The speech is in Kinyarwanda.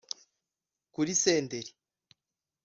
Kuri Senderi